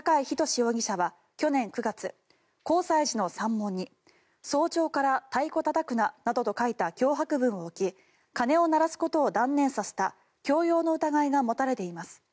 容疑者は去年９月広済寺の山門に、早朝から太鼓たたくななどと書いた脅迫文を置き鐘を鳴らすことを断念させた強要の疑いが持たれています。